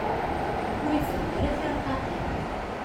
Ur ifehhem ara tirqaqin.